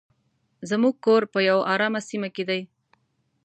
زموږ کور په یو ارامه سیمه کې دی.